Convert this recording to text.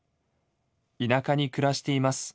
田舎に暮らしています。